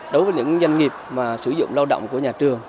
đối với những doanh nghiệp mà sử dụng lao động của nhà trường